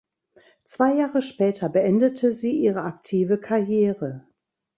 Zwei Jahre später beendete sie ihre aktive Karriere.